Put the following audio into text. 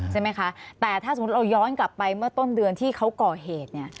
ใช่ไหมคะแต่ถ้าสมมุติเราย้อนกลับไปเมื่อต้นเดือนที่เขาก่อเหตุเนี่ย